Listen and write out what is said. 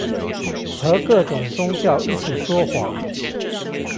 和各種宗教一起說謊